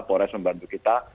polres membantu kita